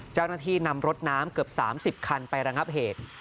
เจ้าหน้าที่นำรถน้ำเกือบ๓๐คันไประงับเหตุ